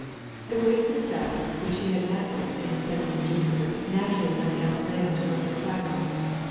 The great success which he had met with in studying Jupiter naturally led Galileo to look at Saturn.